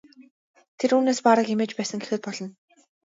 Тэр үүнээс бараг эмээж байсан гэхэд болно.